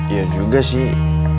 iya juga sih